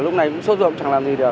lúc này cũng sốt ruột chẳng làm gì được